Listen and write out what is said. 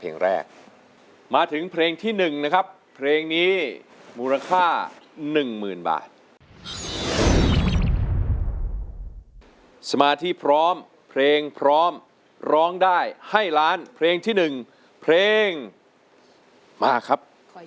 เลือกให้ดีครับ